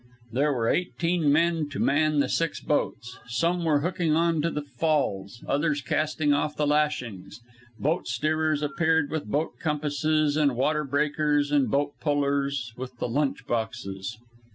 There were eighteen men to man the six boats. Some were hooking on the falls, others casting off the lashings; boat steerers appeared with boat compasses and water breakers, and boat pullers with the lunch boxes.